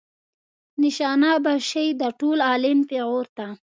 نشانه به شئ د ټول عالم پیغور ته.